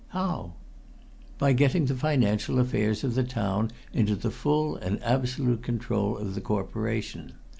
"How?" "By getting the financial affairs of the town into the full and absolute control of the Corporation.